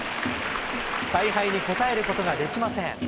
采配に応えることができません。